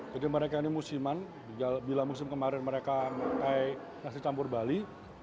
jadi mereka ini musiman bila musim kemarin mereka pakai nasi campur bali